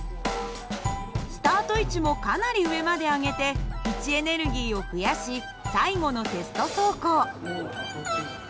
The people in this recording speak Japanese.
スタート位置もかなり上まで上げて位置エネルギーを増やし最後のテスト走行。